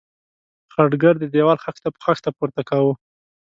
خټګر د دېوال خښته په خښته پورته کاوه.